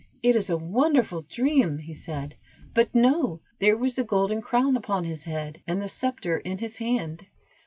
"It is a wonderful dream," said he; but no! there was the golden crown upon his head, and the scepter in his hand.